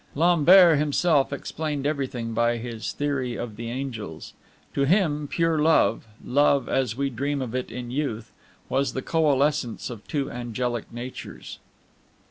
Lambert himself explained everything by his theory of the angels. To him pure love love as we dream of it in youth was the coalescence of two angelic natures.